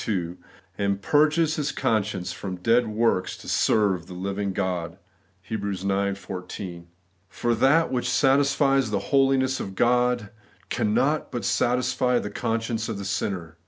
2), and 'purges his conscience from dead works to serve the living God' (Heb. ix. 14). For that which satisfies the holiness of God cannot but satisfy the conscience of the sinner.